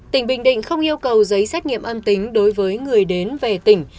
tỉnh bình định không yêu cầu giấy xét nghiệm âm tính đối với người đến về tỉnh